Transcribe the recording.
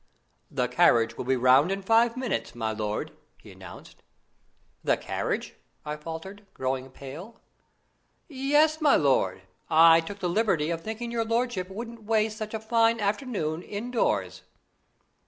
"The carriage will be round in five minutes, my lord," he announced. "The carriage!" I faltered, growing pale. "Yes, my lord. I took the liberty of thinking your lordship wouldn't waste such a fine afternoon indoors."